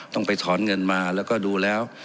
ต้องไปถอนเงินมาแล้วก็ดูแล้ว